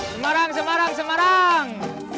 semarang semarang semarang